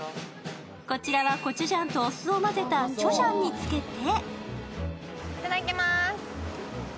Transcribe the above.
こちらはコチュジャンとお酢を混ぜたチョジャンにつけて。